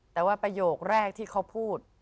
แต่ว่าประโยคแรกที่เขาพูด